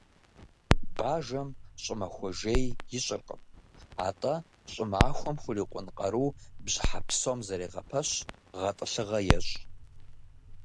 Бажэм щӏымахуэ жей ищӏыркъым, атӀэ щӏымахуэм хурикъун къару бжьыхьэ псом зэрегъэпэщ, гъэтӏылъыгъэ ещӏ.